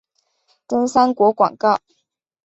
真三国广告。